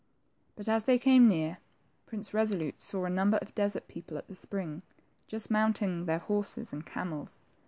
But as they came near. Prince Kesolute saw a number of desert people at the spring, just mounting their horses and camels.